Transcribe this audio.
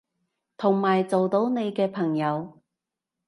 同埋做到你嘅朋友